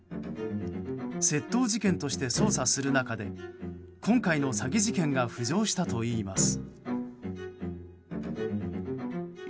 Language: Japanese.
窃盗事件として捜査する中で今回の詐欺事件が浮上したといいます。